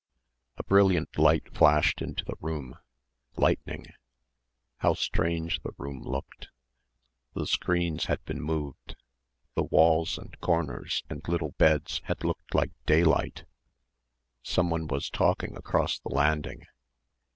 A brilliant light flashed into the room ... lightning how strange the room looked the screens had been moved the walls and corners and little beds had looked like daylight. Someone was talking across the landing.